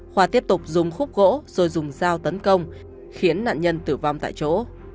khoa tiếp tục dùng khúc gỗ rồi dùng dao tấn công khiến nạn nhân tử vong tại chỗ